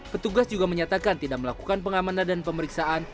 petugas juga menyatakan tidak melakukan pengamanan dan pemeriksaan